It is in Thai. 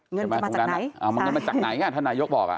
เงินจะมาจากไหนเอาเงินมาจากไหนถ้านายกบอก